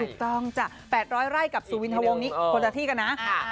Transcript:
ต้องจ้ะ๘๐๐ไร่กับสุวินทะวงนี้คนละที่กันนะ